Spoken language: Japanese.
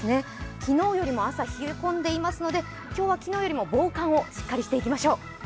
昨日よりも朝冷え込んでいますので、今日は昨日よりも防寒をしっかりとしていきましょう。